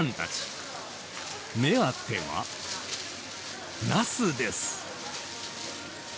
目当てはナスです！